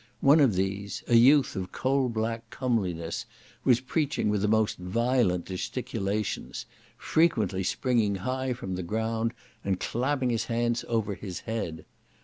One of these, a youth of coal black comeliness, was preaching with the most violent gesticulations, frequently springing high from the ground, and clapping his hands over his head.